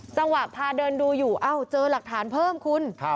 พาเดินดูอยู่เอ้าเจอหลักฐานเพิ่มคุณ